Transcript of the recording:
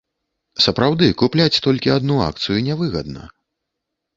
Сапраўды, купляць толькі адну акцыю нявыгадна.